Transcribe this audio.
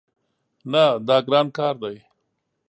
نه، دا ګران کار ده